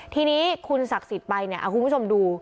ทีนี้คุณศักดิ์สิทธิ์ไปเนี่ยคุณผู้ชมดู